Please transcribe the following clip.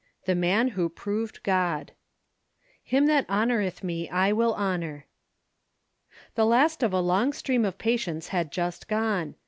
_" *The Man Who Proved God* "Him that honoreth Me I will honor." The last of a long stream of patients had just gone.